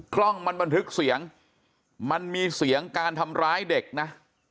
กล้องมันบันทึกเสียงมันมีเสียงการทำร้ายเด็กนะ